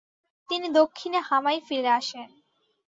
তিনি দক্ষিণে হামায় ফিরে আসেন।